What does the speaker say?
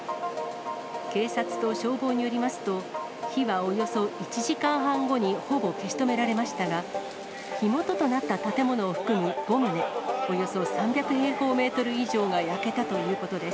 警察と消防によりますと、火はおよそ１時間半後にほぼ消し止められましたが、火元となった建物を含む５棟、およそ３００平方メートル以上が焼けたということです。